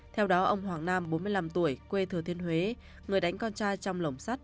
theo đó ông hoàng nam bốn mươi năm tuổi quê thừa thiên huế người đánh con trai trong lồng sắt